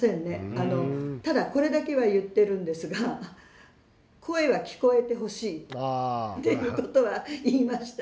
あのただこれだけは言ってるんですが声は聞こえてほしいっていうことは言いました。